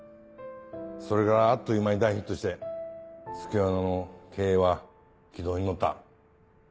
それからあっという間に大ヒットして月夜野の経営は軌道に乗った。